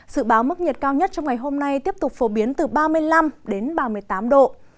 dự báo mức nhiệt cao nhất trong ngày hôm nay tiếp tục phổ biến từ ba mươi năm đến ba mươi tám độ